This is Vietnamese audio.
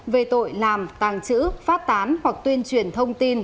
về tội làm tàng trữ phát tán hoặc tuyên truyền thông tin